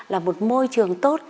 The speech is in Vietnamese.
là một môi trường tốt